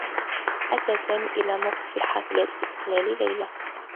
أتى سامي إلى موقف الحافلة لإقلال ليلى.